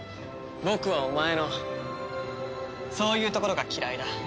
僕はお前のそういうところが嫌いだ。